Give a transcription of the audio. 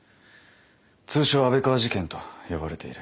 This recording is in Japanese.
通称安倍川事件と呼ばれている。